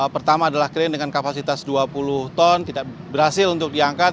pertama adalah krain dengan kapasitas dua puluh ton tidak berhasil untuk diangkat